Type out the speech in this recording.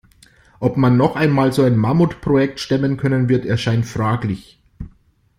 Ob man noch einmal so ein Mammutprojekt stemmen können wird, erscheint fraglich.